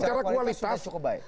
secara kualitas cukup baik